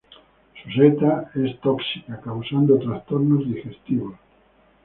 Su seta es tóxica, causando trastornos digestivos.